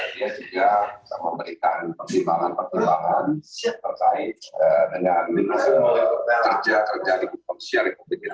dia juga memberikan pertimbangan pertimbangan terkait dengan kerja kerja di komisi hukum dpr